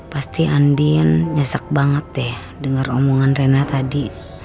pasti andien nyesek banget deh denger omongan rena tadi